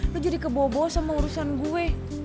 lo jadi kebobo sama urusan gue